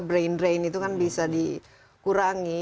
brain drain itu kan bisa dikurangi